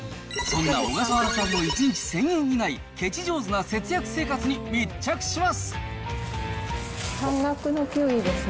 そんな小笠原さんの１日１０００円以内、ケチ上手な節約生活に密着します。